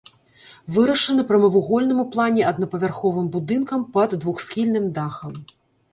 Вырашаны прамавугольным у плане аднапавярховым будынкам пад двухсхільным дахам.